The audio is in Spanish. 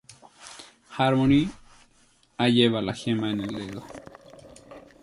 Harmony ha lleva la gema en el dedo.